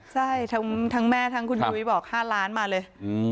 ใช่ทั้งแม่ทั้งคุณยุ้ยบอก๕ล้านมาเลย